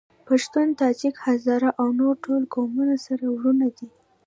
پښتون ، تاجک ، هزاره او نور ټول قومونه سره وروڼه دي.